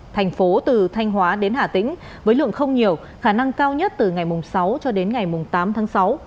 thành phố từ thanh hóa đến hà tĩnh với lượng không nhiều khả năng cao nhất từ ngày sáu tám tháng sáu